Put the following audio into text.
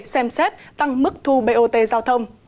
xem xét tăng mức thu bot giao thông